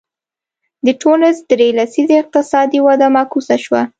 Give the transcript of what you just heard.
د ټونس درې لسیزې اقتصادي وده معکوسه شوه.